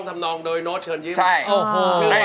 ทำจะเล่นเข้าขึ้น